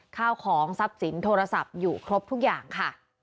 ข้าวของทรัพย์สินโทรศัพท์อยู่ครบทุกอย่างค่ะ